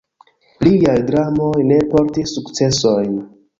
Liaj dramoj ne portis sukcesojn.